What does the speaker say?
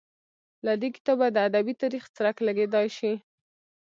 له دې کتابه د ادبي تاریخ څرک لګېدای شي.